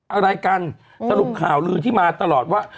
อะไรกันสรุปข่าวลือที่มาตลอดว่า